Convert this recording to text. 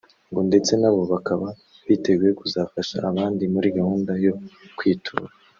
ngo ndetse nabo bakaba biteguye kuzafasha abandi muri gahunda yo kwitura